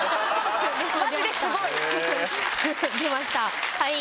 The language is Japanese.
マジですごい！出ました、はい。